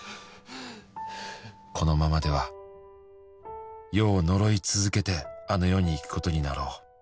「このままでは世を呪い続けてあの世に行くことになろう」